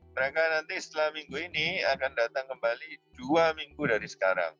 mereka nanti setelah minggu ini akan datang kembali dua minggu dari sekarang